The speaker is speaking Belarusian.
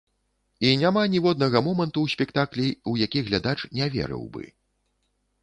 І няма ніводнага моманту ў спектаклі, у які глядач не верыў бы.